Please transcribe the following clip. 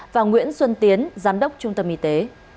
và nguyễn xuân tiến giám đốc trung tâm y tế